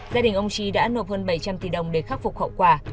gia đình ông trí đã nộp hơn bảy trăm linh tỷ đồng để khắc phục hậu quả